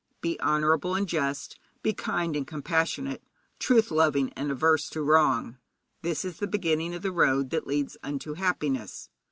Be honourable and just, be kind and compassionate, truth loving and averse to wrong this is the beginning of the road that leads unto happiness.